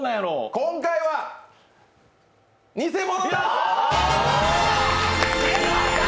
今回は偽物！